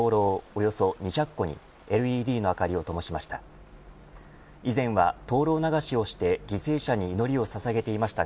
およそ２００個にＬＥＤの明かりをともしました。